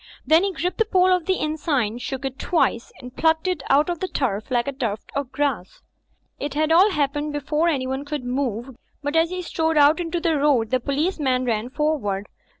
Then he gripped the pole of the inn sign, shook it twice and plucked it out of the turf like a tuft of grass. It had all happened before anyone could move, but as he strode out into the road the policeman ran for ward.